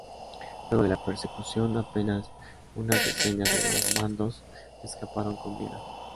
Luego de la persecución, apenas unas decenas de normandos escaparon con vida.